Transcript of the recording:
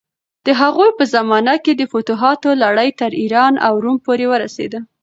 د هغوی په زمانه کې د فتوحاتو لړۍ تر ایران او روم پورې ورسېده.